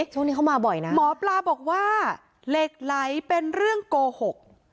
ช่วงนี้เขามาบ่อยนะหมอปลาบอกว่าเหล็กไหลเป็นเรื่องโกหก